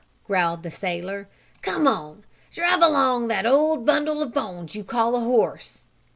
growled the sailor. "Come on! Drive along that old bundle of bones you call a horse!"